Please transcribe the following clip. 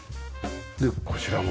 でこちらの。